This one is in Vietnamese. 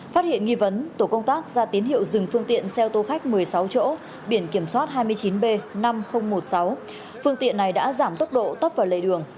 phát hiện nghi vấn tổ công tác ra tín hiệu dừng phương tiện xe ô tô khách một mươi sáu chỗ biển kiểm soát hai mươi chín b năm nghìn một mươi sáu phương tiện này đã giảm tốc độ tấp vào lề đường